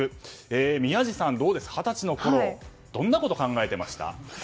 宮司さん、二十歳のころどんなことを考えていましたか？